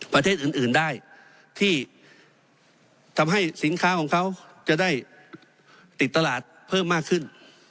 ประเทศอื่นได้ที่ทำให้สินค้าของเขาจะได้ติดตลาดเพิ่มมากขึ้น